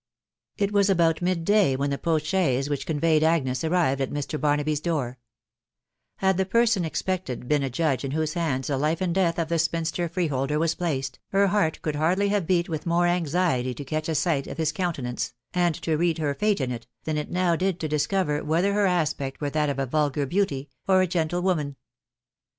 It was about mid day when the postchaise which con veyed Agnes arrived at Mr. Barnaby s door* Had the person expected been a judge in whose hands the1 life and death of the spinster freeholder was placed, her heart could hardly have beat with more anxiety to catch's sight* of hi* counter nance, and to read her fate in it, than it now didto discover whether her aspect were that of a vulgar beauty ojv a gentle woman.